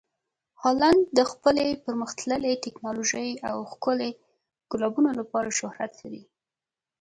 هالنډ د خپلې پرمخ تللې ټکنالوژۍ او ښکلي ګلابونو لپاره شهرت لري.